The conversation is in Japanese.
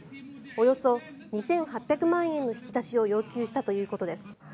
およそ２８００万円の引き出しを要求したということです。